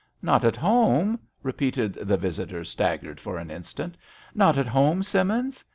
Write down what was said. Not at home ?repeated the visitor, staggered for an instant. Not at home, Simmins?"